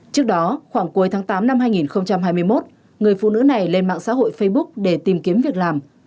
trước đó khoảng cuối tháng tám năm hai nghìn hai mươi một người phụ nữ này lên mạng xã hội facebook để tìm kiếm việc làm